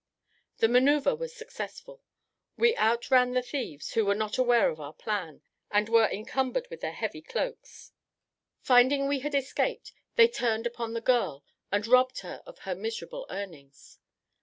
The manoeuvre was successful; we out ran the thieves, who were not aware of our plan, and were encumbered with their heavy cloaks. Finding we had escaped, they turned upon the girl, and robbed her of her miserable earnings.